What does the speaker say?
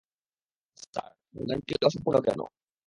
Sir, আপনার গানটি অসম্পূর্ণ কেন?